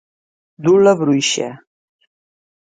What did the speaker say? Dur la bruixa.